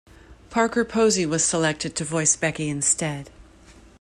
Parker Posey was selected to voice Becky instead.